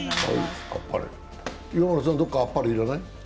岩村さん、どこかあっぱれいかない？